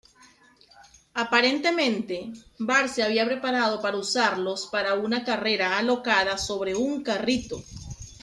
Aparentemente, Bart se había preparado para usarlos para una carrera alocada sobre un carrito.